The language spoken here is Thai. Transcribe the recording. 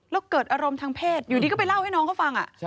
แล้วเกิดอารมณ์ทางเพศอยู่ดีก็ไปเล่าให้น้องเขาฟัง